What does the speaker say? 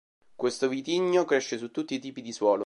Questo vitigno cresce su tutti i tipi di suolo.